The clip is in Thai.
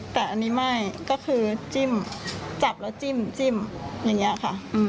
แต่อันนี้ไม่ก็คือจิ้มจับแล้วจิ้มอย่างนี้ค่ะ